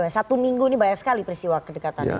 satu minggu ini banyak sekali peristiwa kedekatan